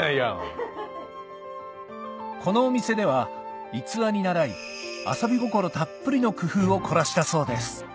このお店では逸話に倣い遊び心たっぷりの工夫を凝らしたそうです